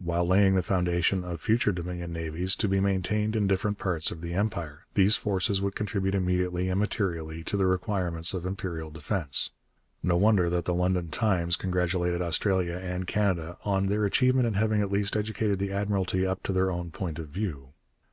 While laying the foundation of future Dominion navies to be maintained in different parts of the Empire, these forces would contribute immediately and materially to the requirements of Imperial defence.' No wonder that the London Times congratulated Australia and Canada 'on their achievement in having at last educated the Admiralty up to their own point of view.'